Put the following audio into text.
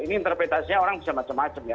ini interpretasinya orang bisa macam macam ya